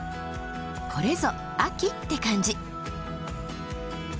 これぞ秋って感じ。